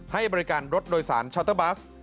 ให้บริการรถโดยสารชัตเตอร์บัส